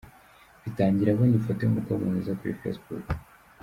Bitangira abona ifoto y'umukobwa mwiza kuri Facebook.